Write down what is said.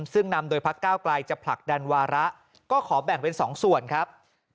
ซึ่งนำโดยพักก้าวไกลจะผลักดันวาระก็ขอแบ่งเป็น๒ส่วนครับ